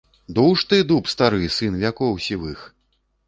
Дуж ты, дуб стары, сын вякоў сівых!